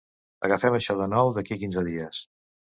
Agafem això de nou d'aquí quinze dies.